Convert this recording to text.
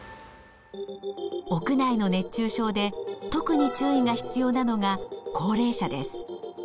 屋内の熱中症で特に注意が必要なのが高齢者です。